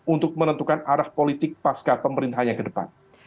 untuk menentukan arah politik pasca pemerintah yang kedepan